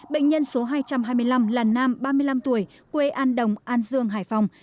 bệnh nhân số hai trăm hai mươi năm là nam ba mươi năm tuổi quê an đồng an dương hải phòng